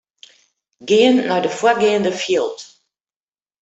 Gean nei de foargeande fjild.